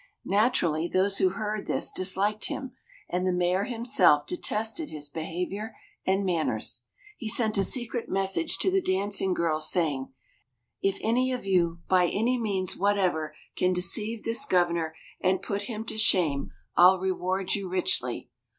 Naturally, those who heard this disliked him, and the Mayor himself detested his behaviour and manners. He sent a secret message to the dancing girls, saying, "If any of you, by any means whatever, can deceive this governor, and put him to shame, I'll reward you richly."